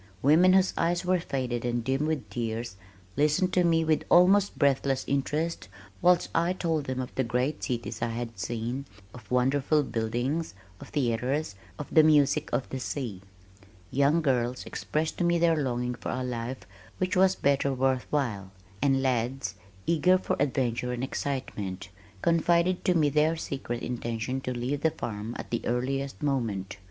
Women whose eyes were faded and dim with tears, listened to me with almost breathless interest whilst I told them of the great cities I had seen, of wonderful buildings, of theaters, of the music of the sea. Young girls expressed to me their longing for a life which was better worth while, and lads, eager for adventure and excitement, confided to me their secret intention to leave the farm at the earliest moment.